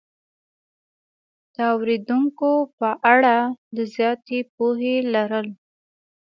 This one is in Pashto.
د اورېدونکو په اړه د زیاتې پوهې لرل